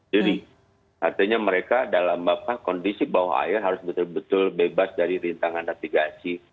jadi artinya mereka dalam kondisi bahwa air harus betul betul bebas dari rintangan navigasi